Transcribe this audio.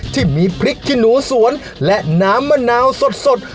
ที่มีพริกขี้หนูสวนและน้ำมะนาวสด